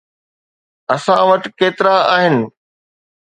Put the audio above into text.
اسان وٽ ڪيترا آهن؟